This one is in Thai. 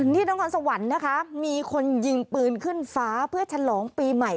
นครสวรรค์นะคะมีคนยิงปืนขึ้นฟ้าเพื่อฉลองปีใหม่